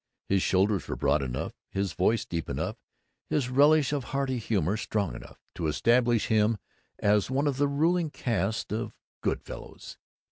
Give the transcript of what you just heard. His shoulders were broad enough, his voice deep enough, his relish of hearty humor strong enough, to establish him as one of the ruling caste of Good Fellows.